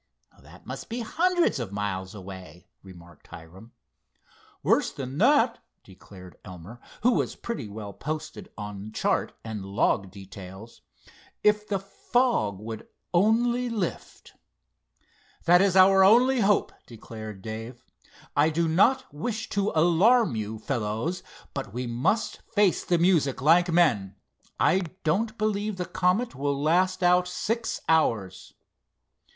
"That must be hundreds of miles away," remarked Hiram. "Worse than that," declared Elmer, who was pretty well posted on chart and "log" details. "If the fog would only lift!" "That is our only hope," declared Dave. "I do not wish to alarm you, fellows; but we must face the music like men. I don't believe the Comet will last out six hours."